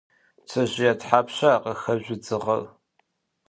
Пцэжъые тхьапша къыхэжъу дзыгъэр?